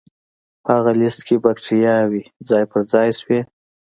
په هغه لست کې بکتریاوې ځای په ځای شوې.